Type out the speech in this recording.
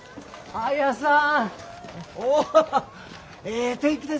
綾さん？